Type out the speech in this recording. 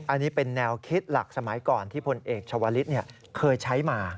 อันนี้เป็นแนวคิดหลักสมัยก่อนที่พลเอกชาวลิศเคยใช้มา